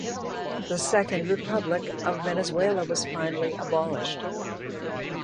The Second Republic of Venezuela was finally abolished.